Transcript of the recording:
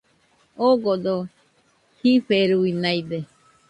Ogodo jiferunaide